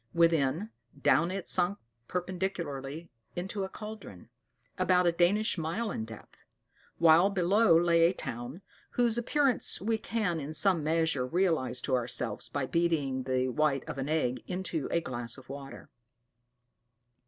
Within, down it sunk perpendicularly into a caldron, about a Danish mile in depth; while below lay a town, whose appearance we can, in some measure, realize to ourselves by beating the white of an egg in a glass of water.